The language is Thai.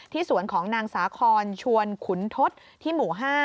สวนของนางสาคอนชวนขุนทศที่หมู่๕